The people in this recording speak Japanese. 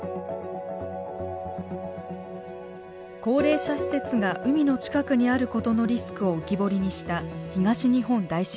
高齢者施設が海の近くにあることのリスクを浮き彫りにした東日本大震災。